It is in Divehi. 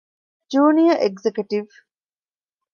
ޖޫނިއަރ އެގްޒެކަޓިވް